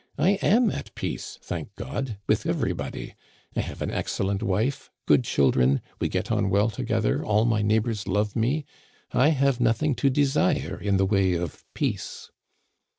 I am at peace, thank God, with everybody. I have an excellent wife, good children, we get on well together, all my neighbors love me. I have nothing to desire in the way of peace.'